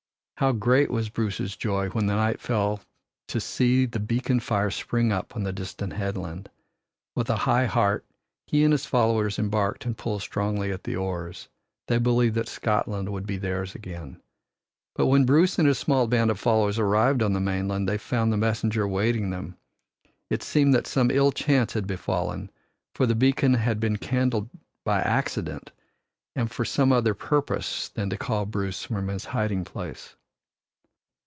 How great was Bruce's joy when the night fell to see the beacon fire spring up on the distant headland! With a high heart he and his followers embarked and pulled strongly at the oars. They believed that Scotland would be theirs again. But when Bruce and his small band of followers arrived on the mainland they found the messenger awaiting them. It seemed that some ill chance had befallen, for the beacon had been kindled by accident and for some other purpose than to call Bruce from his hiding place.